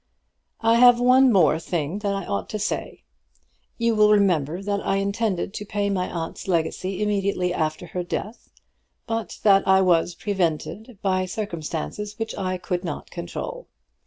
I have one more thing that I ought to say. You will remember that I intended to pay my aunt's legacy immediately after her death, but that I was prevented by circumstances which I could not control.